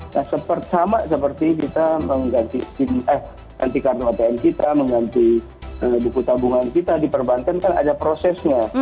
nah sama seperti kita mengganti kartu atm kita mengganti buku tabungan kita di perbanten kan ada prosesnya